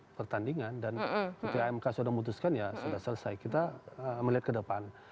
ini pertandingan dan itu yang amk sudah memutuskan ya sudah selesai kita melihat ke depan